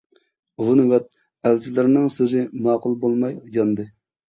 ئۇ نۆۋەت ئەلچىلەرنىڭ سۆزى ماقۇل بولماي ياندى.